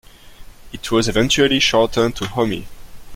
It was eventually shortened to "homie".